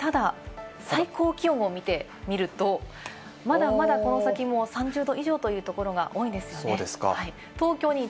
ただ、最高気温を見てみると、まだまだこの先も３０度以上というところが多いんですよね。